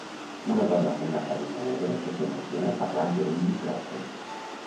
Una dona amb una camisa negra que s'emociona parlant per un micròfon.